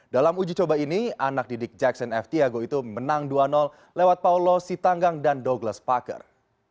dalam uji coba ini anak didik jackson f tiago itu menang dua lewat paulo sitanggang dan doglas packer